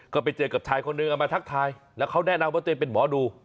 ก็ไปเจอกับชายคนนึงเอามาทักทายแล้วเขาแนะนำว่าตัวเองเป็นหมอดู